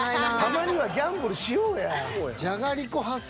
たまにはギャンブルしようや。